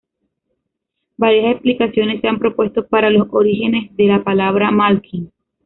Varias explicaciones se han propuesto para los orígenes de la palabra Malkin.